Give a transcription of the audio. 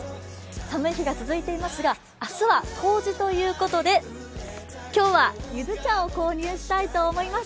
寒い日が続いていますが、明日は冬至ということで今日は柚子茶を購入したいと思います。